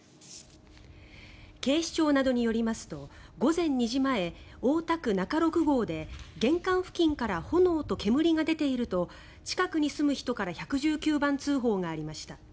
警視庁などによりますと午前２時前、大田区仲六郷で玄関付近から炎と煙が出ていると近くに住む人から１１９番通報がありました。